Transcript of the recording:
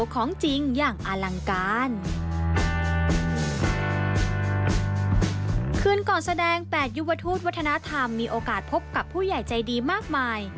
ก็อาจพบกับผู้ใหญ่ใจดีมากมาย